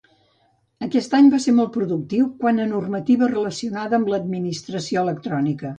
Aquest any va ser molt productiu quant a normativa relacionada amb l'administració electrònica.